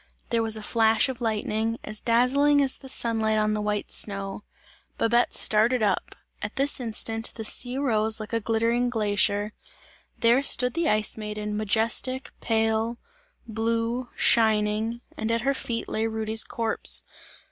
There was a flash of lightning, as dazzling as the sunlight on the white snow. Babette started up; at this instant, the sea rose like a glittering glacier; there stood the Ice Maiden majestic, pale, blue, shining, and at her feet lay Rudy's corpse.